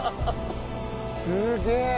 すげえ！